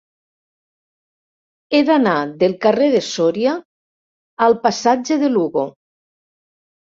He d'anar del carrer de Sòria al passatge de Lugo.